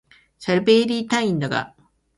しゃべりたいんだが